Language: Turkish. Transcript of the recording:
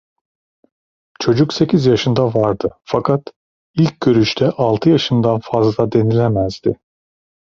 Çocuk sekiz yaşında vardı, fakat ilk görüşte altı yaşından fazla denilemezdi.